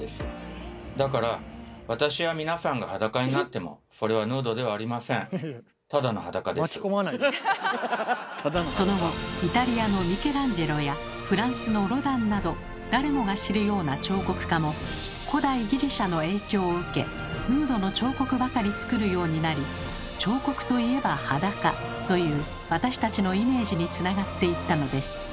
だからその後イタリアのミケランジェロやフランスのロダンなど誰もが知るような彫刻家も古代ギリシャの影響を受けヌードの彫刻ばかり作るようになり「彫刻といえば裸」という私たちのイメージにつながっていったのです。